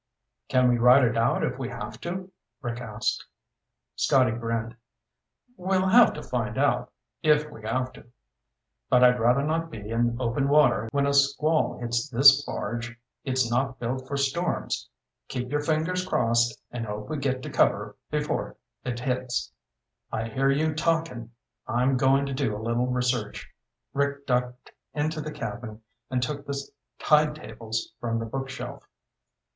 "Can we ride it out if we have to?" Rick asked. Scotty grinned. "We'll find out, if we have to. But I'd rather not be in open water when a squall hits this barge. It's not built for storms. Keep your fingers crossed and hope we get to cover before it hits." "I hear you talking. I'm going to do a little research." Rick ducked into the cabin and took the tide tables from the bookshelf.